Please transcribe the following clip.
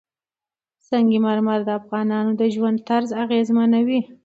سنگ مرمر د افغانانو د ژوند طرز اغېزمنوي.